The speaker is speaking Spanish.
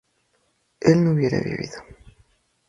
él no hubiera vivido